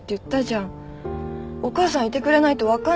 お母さんいてくれないと分かんないよ。